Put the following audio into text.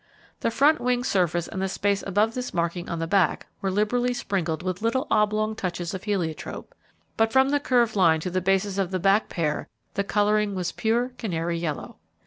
The front wing surface and the space above this marking on the back were liberally sprinkled with little oblong touches of heliotrope; but from the curved line to the bases of the back pair, the colouring was pure canary yellow.